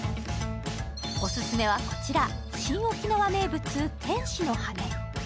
オススメはこちら、新沖縄名物・天使のはね。